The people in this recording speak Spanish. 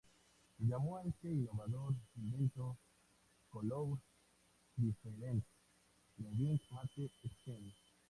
Llamó a este innovador invento "Colour-difference travelling matte scheme.